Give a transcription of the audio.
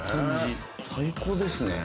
最高ですね。